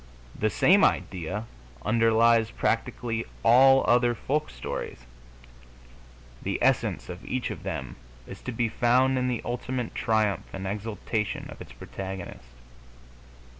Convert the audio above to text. The same idea underlies practically all other folk stories: the essence of each of them is to be found in the ultimate triumph and exaltation of its protagonist.